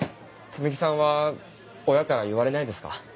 摘木さんは親から言われないですか？